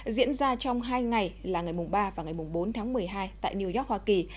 diễn ra trong hai ngày là ngày ba và ngày bốn tháng một mươi hai tại new york hoa kỳ